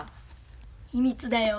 秘密だよ。